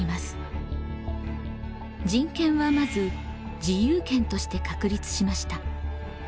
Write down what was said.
人権はまず自由権として確立しました。